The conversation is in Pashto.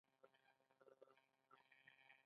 د بیان ازادي مهمه ده ځکه چې ملت قوي کوي.